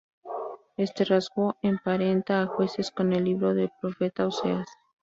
Este rasgo emparenta a Jueces con el libro del profeta Oseas.